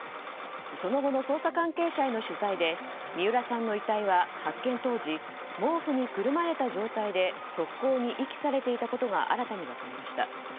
その後の捜査関係者への取材で三浦さんの遺体は発見当時毛布にくるまれた状態で側溝に遺棄されていたことが新たに分かりました。